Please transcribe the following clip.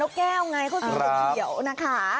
นกแก้วไงเขาสูงสูงเขียวนะคะ